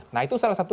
nah itu salah satu